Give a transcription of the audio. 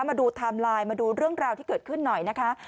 มาดูไทม์ไลน์มาดูเรื่องราวที่เกิดขึ้นหน่อยนะคะ